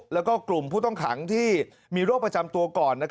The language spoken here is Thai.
แล้วก็กลุ่มผู้ต้องขังที่มีโรคประจำตัวก่อน